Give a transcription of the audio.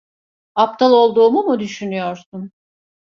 Aptal olduğumu mu düşünüyorsun?